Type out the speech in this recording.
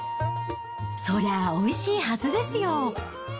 そりゃ、おいしいはずですよ。